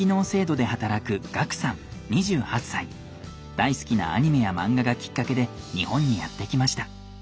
大好きなアニメや漫画がきっかけで日本にやって来ました。